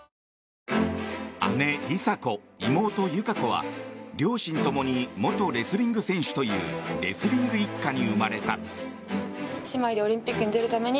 姉・梨紗子、妹・友香子は両親共に元レスリング選手というレスリング一家に生まれた。